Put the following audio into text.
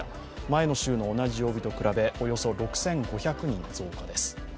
前の週の同じ曜日と比べおよそ６５００人増加です。